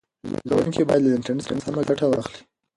زده کوونکي باید له انټرنیټ څخه سمه ګټه واخلي.